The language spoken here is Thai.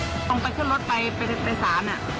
พลังเข้าต้นรถไปสาน